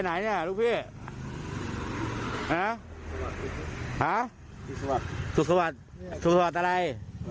อย่าไปไหนเนี่ยลูกพี่อ่ะสวัสดีสวัสดีสวัสดีสวัสดีอะไร